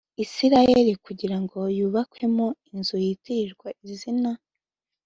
Isirayeli kugira ngo nywubakemo inzu o yitirirwa izina